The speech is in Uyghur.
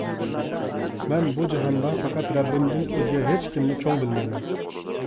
مەن بۇ جاھاندا پەقەت رەببىمدىن ئۆزگە ھېچكىمنى چوڭ بىلمەيمەن.